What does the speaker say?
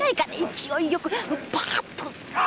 勢いよくパーッと！